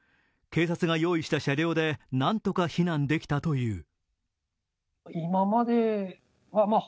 警察が用意した車両でなんとか避難できたという。